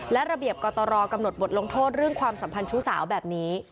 และระเบียบกตรกำหนดบทลงโทษเรื่องความสัมพันธ์ชู้สาวแบบนี้